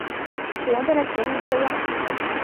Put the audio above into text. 小岩站的铁路车站。